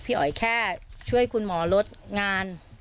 อ๋อยแค่ช่วยคุณหมอลดงาน